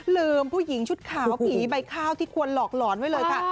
ลืมผู้หญิงชุดขาวผีใบข้าวที่ควรหลอกหลอนไว้เลยค่ะ